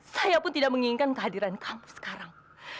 saya pun tidak menginginkan kehadiran kamu sekarang